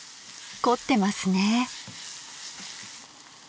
凝ってますね。